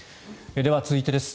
では、続いてです。